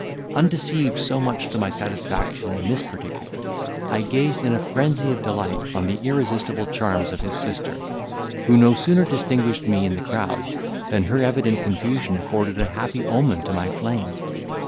Undeceived so much to my satisfaction in this particular, I gazed in a frenzy of delight on the irresistible charms of his sister, who no sooner distinguished me in the crowd, than her evident confusion afforded a happy omen to my flame.